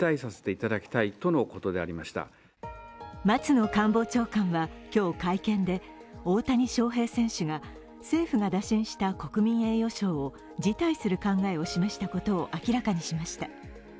松野官房長官は今日、会見で大谷翔平選手が政府が打診した国民栄誉賞を辞退する考えを示したことを明らかにしました。